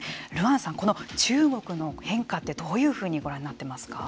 阮さん、この中国の変化ってどういうふうにご覧になっていますか。